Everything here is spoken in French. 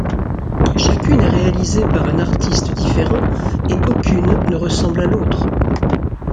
Chacune est réalisée par un artiste différent et aucune ne ressemble à l'autre.